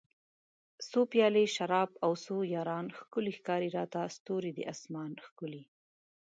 څو پیالۍ شراب او څو یاران ښکلي ښکاري راته ستوري د اسمان ښکلي